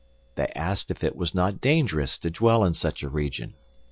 They asked if it was not dangerous to dwell in such a region.